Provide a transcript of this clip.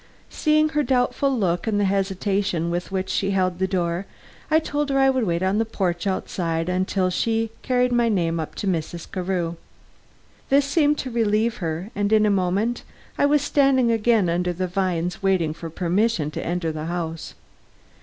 Seeing her doubtful look and the hesitation with which she held the door, I told her that I would wait outside on the porch till she had carried up my name to Mrs. Carew. This seemed to relieve her and in a moment I was standing again under the vines waiting for permission to enter the house.